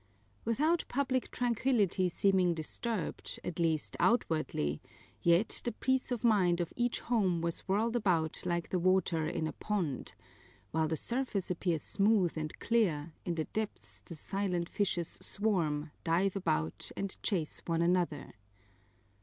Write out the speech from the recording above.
Without public tranquillity seeming disturbed, at least outwardly, yet the peace of mind of each home was whirled about like the water in a pond: while the surface appears smooth and clear, in the depths the silent fishes swarm, dive about, and chase one another.